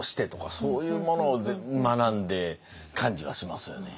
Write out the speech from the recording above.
そういうものを学んで感じはしますよね。